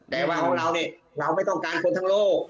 แต่ว่าของเรานี่เราไม่ต้องการคนทั้งโลก